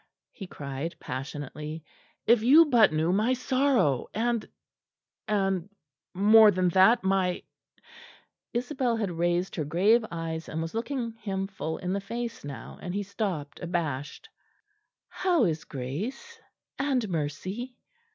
he cried passionately; "if you but knew my sorrow and and more than that, my " Isabel had raised her grave eyes and was looking him full in the face now; and he stopped abashed. "How is Grace, and Mercy?"